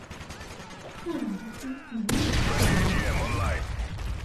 那兩個字有沒有差別